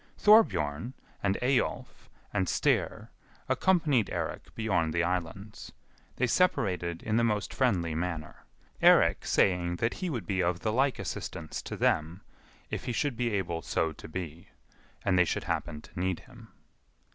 Thorbjorn, and Eyjolf, and Styr accompanied Eirik beyond the islands. They separated in the most friendly manner, Eirik saying that he would be of the like assistance to them, if he should be able so to be, and they should happen to need him.